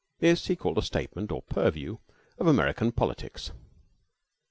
This he called a statement or purview of American politics.